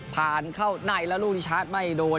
ผ่านเข้าในแล้วรุชาร์ตไม่โดน